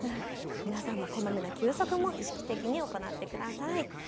皆さんもこまめな休息、意識的に行ってください。